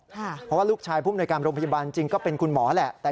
เพราะว่าลูกชายผู้มนวยการโรงพยาบาลจริงก็เป็นคุณหมอแหละ